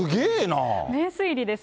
名推理です。